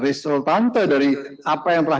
resultante dari apa yang telah